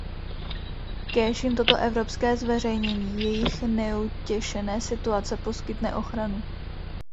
Kéž jim toto evropské zveřejnění jejich neutěšené situace poskytne ochranu!